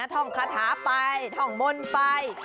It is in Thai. ท่องคาถาไปท่องมนต์ไป